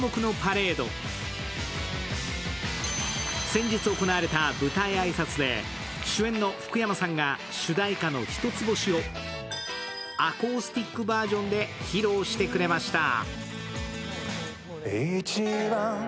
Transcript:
先日行われた舞台挨拶で主演の福山さんが主題歌の「ヒトツボシ」をアコースティックバージョンで披露してくれました。